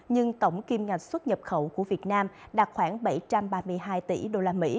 nhưng tổng kim ngạch xuất nhập khẩu của việt nam đạt khoảng bảy trăm ba mươi hai tỷ usd